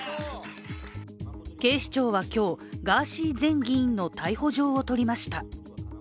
警視庁は今日、ガーシー前議員の逮捕状を取りました。